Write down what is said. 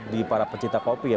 di para pecinta kopi ya